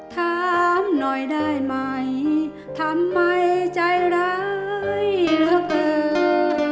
ถามหน่อยได้ไหมทำไมใจร้ายเหลือเกิน